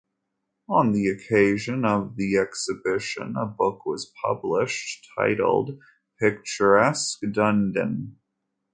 On the occasion of the exhibition a book was published, titled "Picturesque Dunedin".